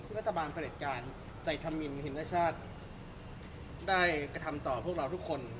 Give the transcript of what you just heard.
รัฐบาลประเด็จการใจธมินหินชาติได้กระทำต่อพวกเราทุกคน